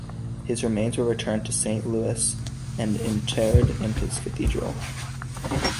His remains were returned to Saint Louis, and interred in his cathedral.